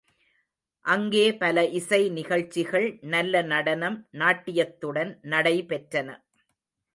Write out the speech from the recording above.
அங்கே பல இசை நிகழ்ச்சிகள், நல்ல நடனம் நாட்டியத்துடன் நடைபெற்றன.